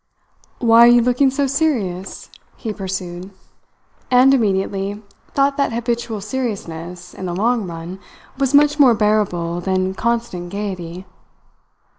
"Why are you looking so serious?" he pursued, and immediately thought that habitual seriousness, in the long run, was much more bearable than constant gaiety.